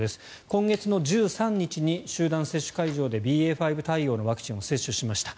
今月１３日に集団接種会場でＢＡ．５対応のワクチンを接種しました。